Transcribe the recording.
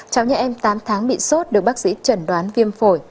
cháu nhà em tám tháng bị sốt được bác sĩ trần đoán viêm phổi